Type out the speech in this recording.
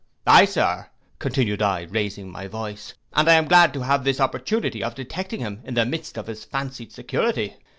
Ay, Sir,' continued I, raising my voice, 'and I am glad to have this opportunity of detecting him in the midst of his fancied security.